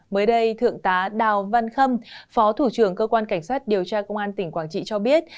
mới đây thượng tá đào văn khâm phó thủ trưởng cơ quan cảnh sát điều tra công an tỉnh quảng trị cho biết